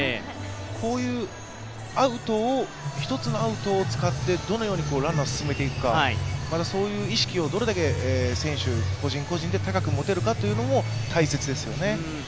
こういう１つのアウトを使ってどのようにランナーを進めていくか、そういう意識を選手、個人個人で高く持てるかというのも大切ですよね。